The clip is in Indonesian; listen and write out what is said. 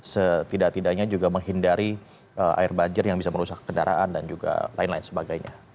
setidak tidaknya juga menghindari air banjir yang bisa merusak kendaraan dan juga lain lain sebagainya